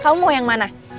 kamu mau yang mana